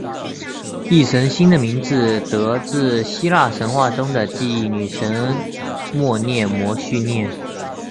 忆神星的名字得自希腊神话中的记忆女神谟涅摩叙涅。